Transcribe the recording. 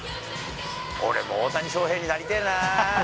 俺も大谷翔平になりてえな。